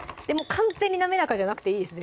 完全に滑らかじゃなくていいです